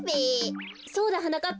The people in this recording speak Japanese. そうだはなかっぱ。